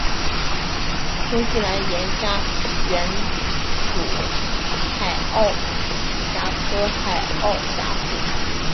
新西兰岩虾原属海螯虾科海螯虾属。